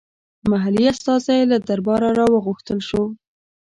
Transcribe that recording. محلي استازی له درباره راوغوښتل شو.